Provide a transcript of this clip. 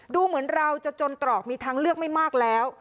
ดูเหมือนเราจะจนตรอกมีทางเลือกไม่มากแล้ว